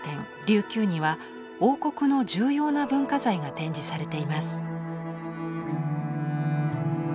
琉球には王国の重要な文化財が展示されています。